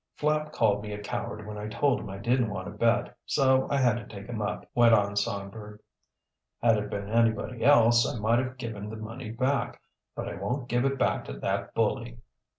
"Flapp called me a coward when I told him I didn't want to bet, so I had to take him up," went on Songbird. "Had it been anybody else I might have given the money back. But I won't give it back to that bully."